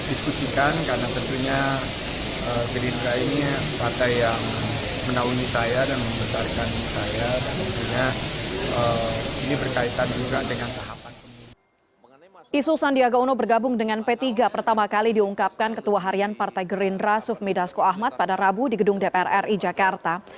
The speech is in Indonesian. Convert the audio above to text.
isu sandiaga uno bergabung dengan p tiga pertama kali diungkapkan ketua harian partai gerindra sufmi dasko ahmad pada rabu di gedung dpr ri jakarta